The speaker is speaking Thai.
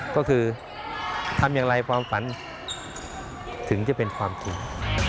ก็คือทำอย่างไรความฝันถึงจะเป็นความจริง